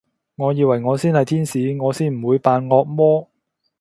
我以為我先係天使，我先唔會扮惡魔